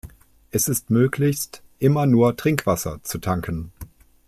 Es ist möglichst immer nur Trinkwasser zu tanken.